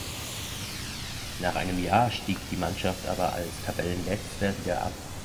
Nach einem Jahr stieg die Mannschaft aber als Tabellenletzter wieder ab.